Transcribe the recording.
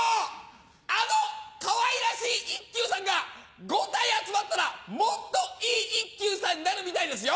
あのかわいらしい一休さんが５体集まったらもっといい一休さんになるみたいですよ。